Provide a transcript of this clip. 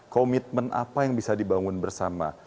komitmen apa yang bisa dibangun bersama